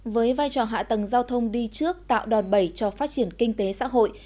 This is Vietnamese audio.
với vai trò hạ tầng giao thông đi trước tạo đòn bẩy cho phát triển kinh tế xã hội